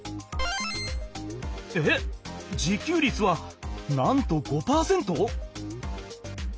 えっ自給率はなんと５％！？